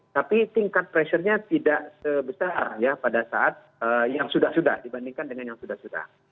tapi tingkat pressure nya tidak sebesar ya pada saat yang sudah sudah dibandingkan dengan yang sudah sudah